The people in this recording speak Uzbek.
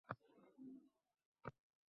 Chingizxon siymosi ham xuddi shunday.